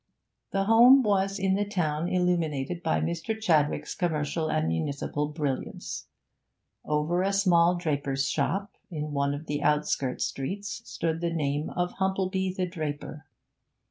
That home was in the town illuminated by Mr. Chadwick's commercial and municipal brilliance; over a small draper's shop in one of the outskirt streets stood the name of Humplebee the draper.